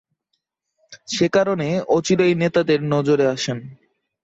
সেকারণে অচিরেই নেতাদের নজরে আসেন।